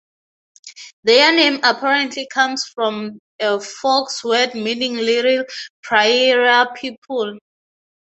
Their name apparently comes from a Fox word meaning "Little Prairie People".